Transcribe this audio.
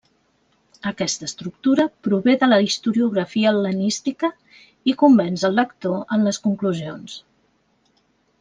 Aquesta estructura prové de la historiografia hel·lenística i convenç el lector en les conclusions.